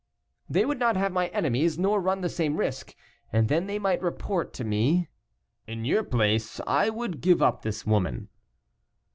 "They would not have my enemies, nor run the same risk; and then they might report to me " "In your place I would give up this woman."